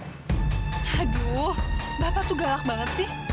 aduh bapak tuh galak banget sih